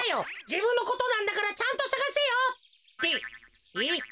じぶんのことなんだからちゃんとさがせよ！ってえっ？